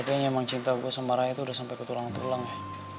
kayaknya emang cinta gue sama rai itu udah sampai ketulang tulang ya